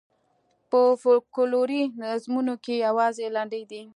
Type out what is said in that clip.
په فوکلوري نظمونو کې یوازې لنډۍ دي.